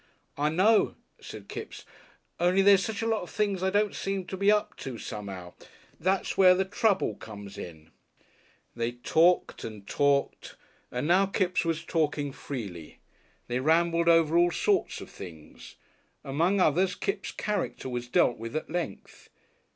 "I know," said Kipps, "only there's such a lot of things I don't seem to be up to some'ow. That's where the trouble comes in." They talked and talked, and now Kipps was talking freely. They rambled over all sorts of things. Among others Kipps' character was dealt with at length.